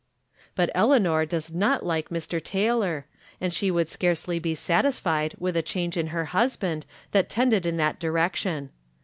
But Eleanor does not like Mr. Taylor, and she would scarcely be satisfied with a change in her husband that tended in that direction.